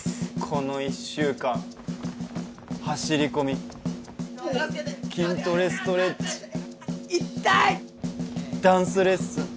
この１週間走り込み筋トレストレッチ痛い！ダンスレッスン